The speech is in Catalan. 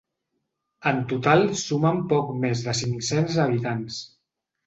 En total sumen poc més de cinc-cents habitants.